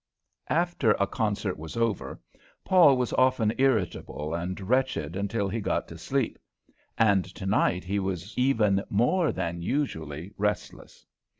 After a concert was over, Paul was often irritable and wretched until he got to sleep, and tonight he was even more than usually restless.